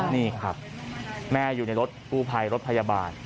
นี่ครับแม่อยู่ในรถกู้ภัยรถพยาบาล